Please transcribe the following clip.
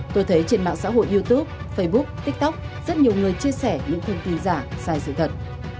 tôi thấy trên mạng xã hội youtube facebook tiktok rất nhiều người chia sẻ những thông tin giả sai sự thật